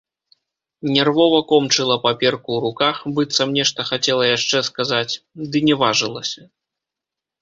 Нервова комчыла паперку ў руках, быццам нешта хацела яшчэ сказаць, ды не важылася.